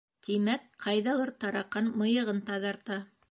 Тимәк, ҡайҙалыр тараҡан мыйығын таҙарта.